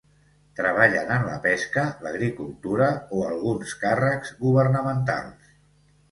Treballen en la pesca, l'agricultura o alguns càrrecs governamentals.